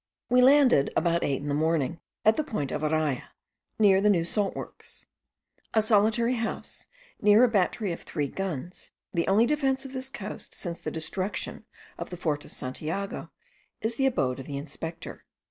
We landed about eight in the morning at the point of Araya, near the new salt works. A solitary house, near a battery of three guns, the only defence of this coast, since the destruction of the fort of Santiago, is the abode of the inspector.